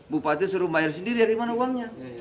bupati suruh bayar sendiri dari mana uangnya